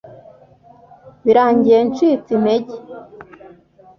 Birangira ncitse intege